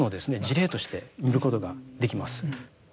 事例として見ることができます。